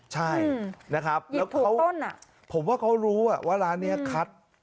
ใช่นะครับหยิบถูกต้นอ่ะผมว่าเขารู้อ่ะว่าร้านเนี้ยคัด